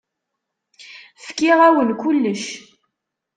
Fkiɣ-awen kullec.